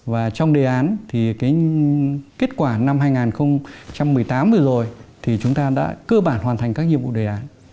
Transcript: và trong đề án thì kết quả năm hai nghìn một mươi tám vừa rồi thì chúng ta đã cơ bản hoàn thành các nhiệm vụ đề án